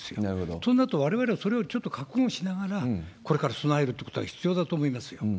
そうなると、われわれはちょっとそれを覚悟しながら、これから備えるということが必要だと思いますよ。